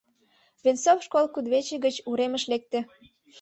Венцов школ кудывече гыч уремыш лекте.